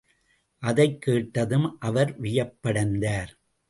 அதைக் கேட்டதும் அவர் வியப்படைந்தார்.